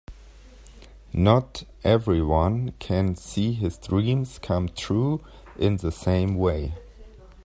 Not everyone can see his dreams come true in the same way.